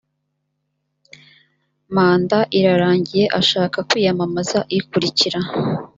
manda irarangiye ashaka kwiyamamariza ikurikira